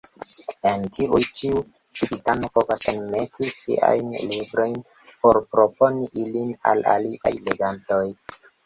En tiujn ĉiu civitano povas enmeti siajn librojn por proponi ilin al aliaj legantoj.